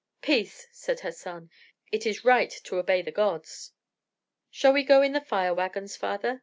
"Peace!" said her son; "it is right to obey the gods." "Shall we go in the 'fire wagons,' father?"